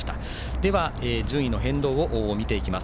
では、順位の変動を見ていきます。